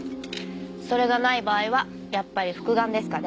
それがない場合はやっぱり復顔ですかね。